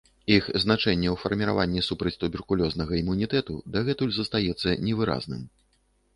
Іх значэнне ў фармаванні супрацьтуберкулёзнага імунітэту дагэтуль застаецца невыразным.